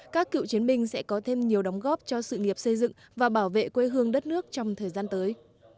các cựu chiến binh sẽ có thêm nhiều đóng góp cho sự nghiệp xây dựng và bảo vệ quê hương đất nước trong thời gian tới